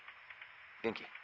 元気？